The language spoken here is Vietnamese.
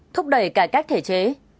một thúc đẩy cải cách thể chế